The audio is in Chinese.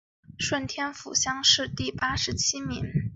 顺天府乡试第八十七名。